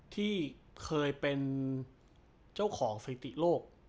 ที่เคยเป็นเจ้าของสถิติโลก